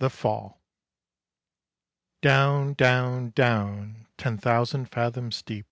THE FALL. "Down, down, down, ten thousand fathoms deep."